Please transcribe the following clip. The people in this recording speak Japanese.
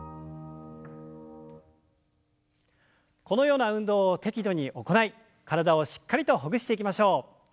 このような運動を適度に行い体をしっかりとほぐしていきましょう。